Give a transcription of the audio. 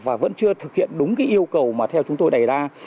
và vẫn chưa thực hiện đúng yêu cầu mà theo chúng tôi đẩy ra